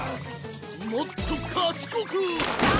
もっと賢くあぁ！